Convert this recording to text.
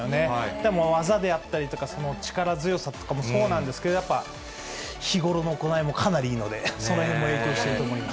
だから技であったり、その力強さとかもそうなんですけれども、やっぱり、日頃の行いもかなりいいので、そのへんも影響していると思います。